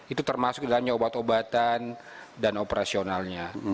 itu termasuk dalamnya obat obatan dan operasionalnya